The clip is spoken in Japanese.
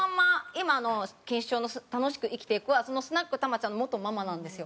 今の錦糸町の「楽しく生きていく」はスナック玉ちゃんの元ママなんですよ。